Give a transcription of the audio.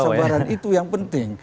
kesabaran itu yang penting